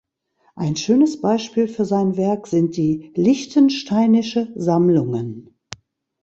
Ein schönes Beispiel für sein Werk sind die (Liechtensteinische Sammlungen).